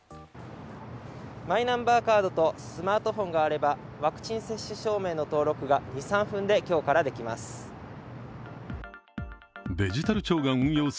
マイナンバーカードとスマートフォンがあればワクチン接種証明の登録が２３分でできます。